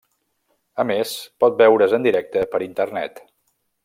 A més, pot veure's en directe per Internet.